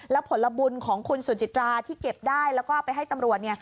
แล้วผลบุญของคุณสุจิตราที่เก็บได้แล้วก็ไปให้ตำรวจ